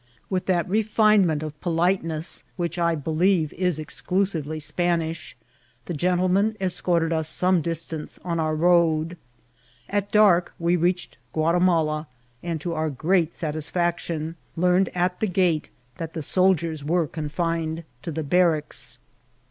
With that refinement al politeness, wkAA I believe is exclusively Spanish, the gentlemen escc^ted ns some distance cm our road. At dark we reached GKtatimala, and, to our great satisfection, learned at the gate that the soldiers were confined to the barracks.